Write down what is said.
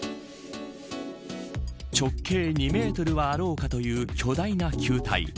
直径２メートルはあろうかという巨大な球体。